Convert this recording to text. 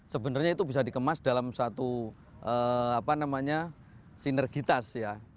sebenarnya itu bisa dikemas dalam satu sinergitas ya